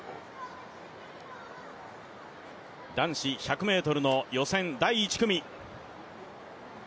男子１００ｍの予選第１組。